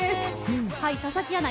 佐々木アナ